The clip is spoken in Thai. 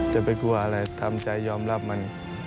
จะเป็นกลัวอะไรตามใจยอมรับมัน